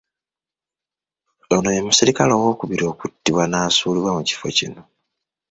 Ono ye musirikale owookubiri okuttibwa n'asuulibwa mu kifo kino.